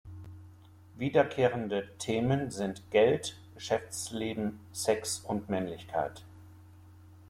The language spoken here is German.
Wiederkehrende Themen sind Geld, Geschäftsleben, Sex und Männlichkeit.